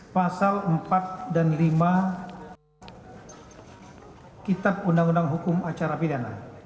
pasal empat dan lima kitab undang undang hukum acara pidana